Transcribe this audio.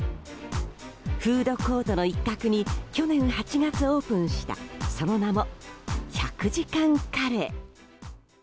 フードコートの一角に去年８月オープンしたその名も１００時間カレー。